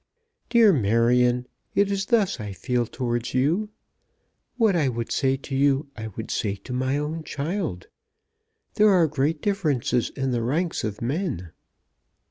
"Dear Marion, it is thus I feel towards you. What I would say to you I would say to my own child. There are great differences in the ranks of men."